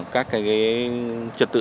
các cái trật tự